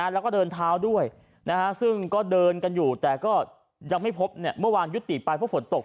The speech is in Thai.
แล้วก็เดินเท้าด้วยซึ่งก็เดินกันอยู่แต่ก็ยังไม่พบเมื่อวานยุติไปเพราะฝนตก